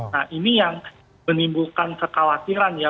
nah ini yang menimbulkan kekhawatiran ya